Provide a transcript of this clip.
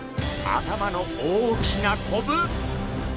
頭の大きなコブ！